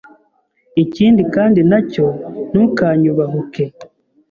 Ikindi kandi nacyo ntukanyubahuke